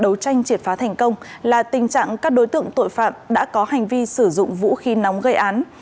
đấu tranh triệt phá thành công là tình trạng các đối tượng tội phạm đã có hành vi sử dụng vũ khí nóng gây án